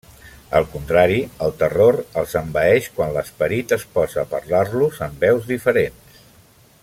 Al contrari, el terror els envaeix quan l'Esperit es posa a parlar-los, amb veus diferents.